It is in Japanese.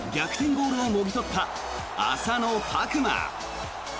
ゴールをもぎ取った浅野拓磨。